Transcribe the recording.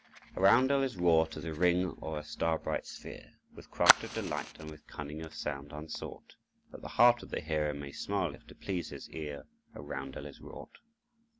"A Roundel is wrought as a ring or a star bright sphere, With craft of delight and with cunning of sound unsought, That the heart of the hearer may smile if to pleasure his ear A Roundel is wrought.